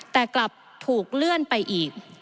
แต่กลับถูกเลื่อนไปอีก